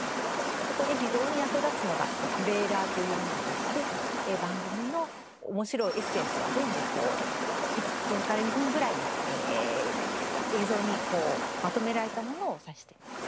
そこで非常に役立つのがトレーラーというものでして番組の面白いエッセンスが全部１分から２分ぐらいの映像にまとめられたものを指しています。